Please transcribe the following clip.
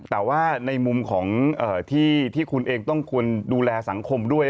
แต่ว่าในมุมของที่คุณเองต้องควรดูแลสังคมด้วย